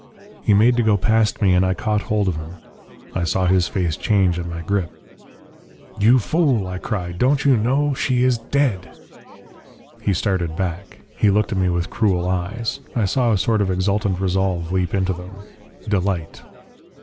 "He made to go past me, And I caught hold of him. "I saw his face change at my grip. "'You fool,' I cried. 'Don't you know? She is dead!' "He started back. He looked at me with cruel eyes. I saw a sort of exultant resolve leap into them delight.